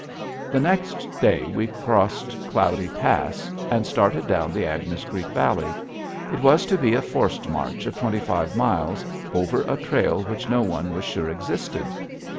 The next day we crossed Cloudy Pass and started down the Agnes Creek Valley. It was to be a forced march of twenty five miles over a trail which no one was sure existed.